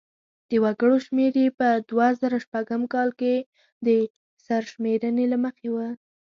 د وګړو شمیر یې په دوه زره شپږم کال د سرشمېرنې له مخې و.